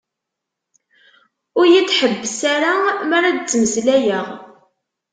Ur yi-d-ḥebbes ara mi ara d-ttmeslayeɣ.